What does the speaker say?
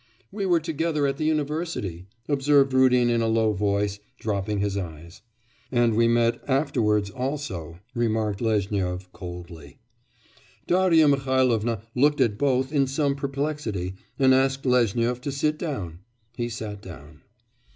'We were together at the university,' observed Rudin in a low voice, dropping his eyes. 'And we met afterwards also,' remarked Lezhnyov coldly. Darya Mihailovna looked at both in some perplexity and asked Lezhnyov to sit down. He sat down.